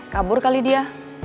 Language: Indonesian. kabur kali dia